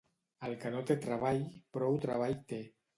El que no té treball, prou treball té.